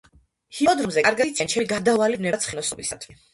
ჰიპოდრომზე კარგად იციან ჩემი გარდაუვალი ვნება ცხენოსნობისადმი.